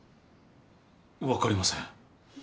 分かりません。